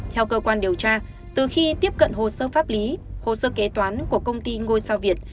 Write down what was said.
theo cơ quan điều tra từ khi tiếp cận hồ sơ pháp lý hồ sơ kế toán của công ty ngôi sao việt